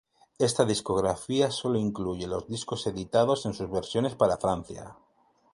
Esta discografía solo incluye los discos editados en sus versiones para Francia.